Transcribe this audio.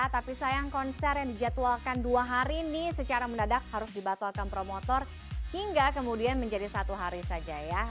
tapi sayang konser yang dijadwalkan dua hari ini secara mendadak harus dibatalkan promotor hingga kemudian menjadi satu hari saja ya